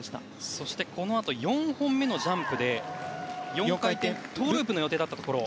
そして４本目のジャンプで４回転トウループの予定だったところを。